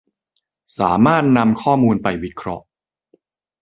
สามารถนำข้อมูลไปวิเคราะห์